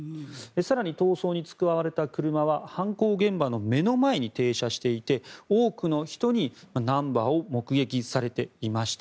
更に、逃走に使われた車は犯行現場の目の前に停車していて多くの人にナンバーを目撃されていました。